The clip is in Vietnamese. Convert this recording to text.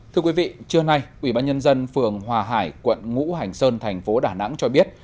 thưa quý vị trưa nay ủy ban nhân dân phường hòa hải quận ngũ hành sơn thành phố đà nẵng cho biết